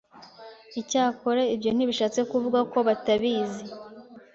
Icyakora ibyo ntibishatse kuvuga ko batabizi